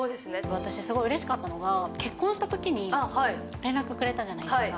私、すごいうれしかったのは、結婚したときに連絡くれたじゃないですか。